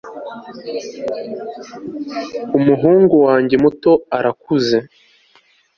umuhungu wanjye muto arakuze